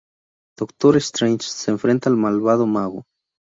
Dr. Strange se enfrenta al malvado mago.